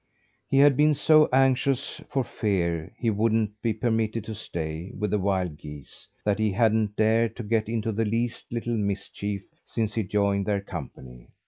He had been so anxious for fear he wouldn't be permitted to stay with the wild geese, that he hadn't dared to get into the least little mischief since he joined their company.